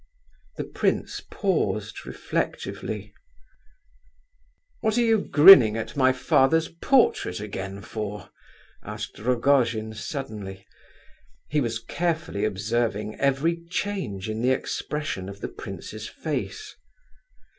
The prince paused, reflectively. "What are you grinning at my father's portrait again for?" asked Rogojin, suddenly. He was carefully observing every change in the expression of the prince's face.